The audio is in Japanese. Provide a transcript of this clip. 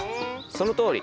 そのとおり！